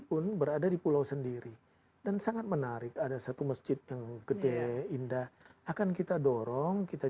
pun berada di pulau sendiri dan sangat menarik ada satu masjid yang gede indah akan kita dorong kita